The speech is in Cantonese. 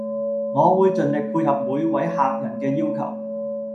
我會盡力配合每位客人嘅要求